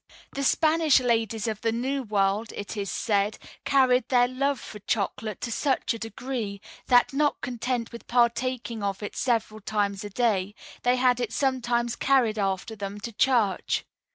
"The Spanish ladies of the New World, it is said, carried their love for chocolate to such a degree that, not content with partaking of it several times a day, they had it sometimes carried after them to church.